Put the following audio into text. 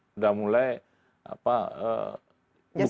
sudah mulai buktinya tuh